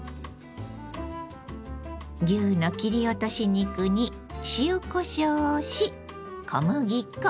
牛の切り落とし肉に塩こしょうをし小麦粉。